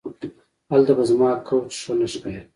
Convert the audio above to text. هلته به زما کوچ ښه نه ښکاري